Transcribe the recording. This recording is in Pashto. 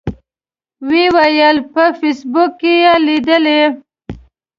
و یې ویل په فیسبوک کې یې لیدلي.